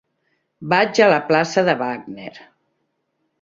Vaig a la plaça de Wagner.